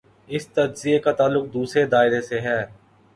اس تجزیے کا تعلق دوسرے دائرے سے ہے۔